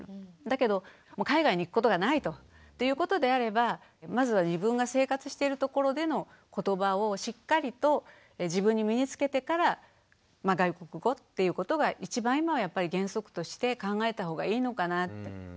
だけど海外に行くことがないということであればまずは自分が生活してるところでのことばをしっかりと自分に身につけてからまあ外国語っていうことが一番今はやっぱり原則として考えた方がいいのかなって。